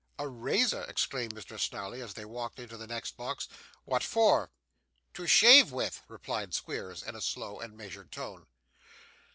'A razor!' exclaimed Mr. Snawley, as they walked into the next box. 'What for?' 'To shave with,' replied Squeers, in a slow and measured tone.